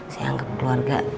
saya anggap keluarga